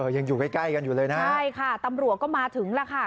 ยังอยู่ใกล้ใกล้กันอยู่เลยนะใช่ค่ะตำรวจก็มาถึงแล้วค่ะ